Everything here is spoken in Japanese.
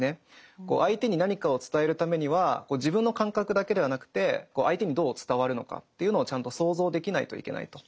相手に何かを伝えるためには自分の感覚だけではなくて相手にどう伝わるのかというのをちゃんと想像できないといけないと。